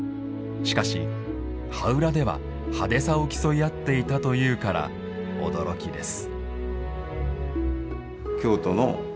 しかし羽裏では派手さを競い合っていたというから驚きです。